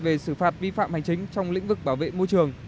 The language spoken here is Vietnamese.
về xử phạt vi phạm hành chính trong lĩnh vực bảo vệ môi trường